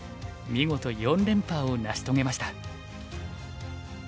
見事四連覇を成し遂げました。